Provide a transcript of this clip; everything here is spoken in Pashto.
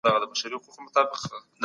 د نړیوالو بدلونونو سره سمون اړین دی.